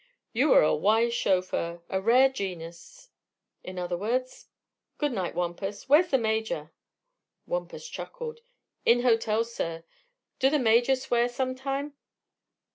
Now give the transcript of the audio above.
"You are a wise chauffeur a rare genus, in other words. Good night, Wampus. Where's the Major?" Wampus chuckled. "In hotel. Sir, do the Major swear sometime?"